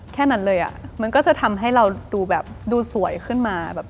แค่นั้นเลยอะมันก็จะทำให้เราดูสวยขึ้นมาอะ